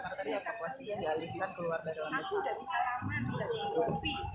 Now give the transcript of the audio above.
tiba tiba evakuasi yang dialihkan keluar dari lantai dasar